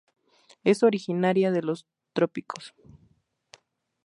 Es originaria de los Trópicos.